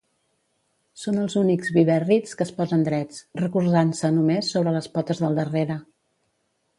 Són els únics vivèrrids que es posen drets, recolzant-se només sobre les potes del darrere.